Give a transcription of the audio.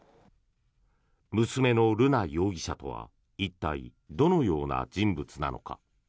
娘の瑠奈容疑者とは一体どのような人物なのか。